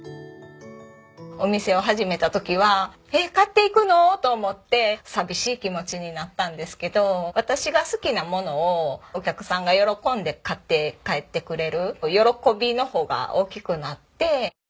お店を始めた時は「えっ買っていくの？」と思って寂しい気持ちになったんですけど私が好きな物をお客さんが喜んで買って帰ってくれる喜びの方が大きくなって。